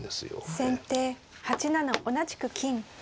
先手８七同じく金。